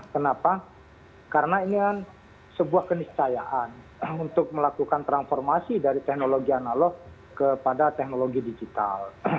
kenapa karena ini kan sebuah keniscayaan untuk melakukan transformasi dari teknologi analog kepada teknologi digital